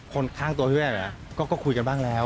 คนข้างตัวพี่แว่นก็คุยกันบ้างแล้ว